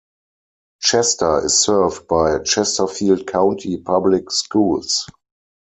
Chester is served by Chesterfield County Public Schools.